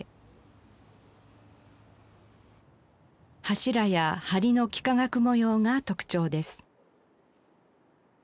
柱や梁の幾何学模様が特徴です。